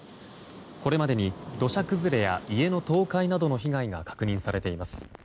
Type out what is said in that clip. これまでに土砂崩れや家の倒壊などの被害が確認されています。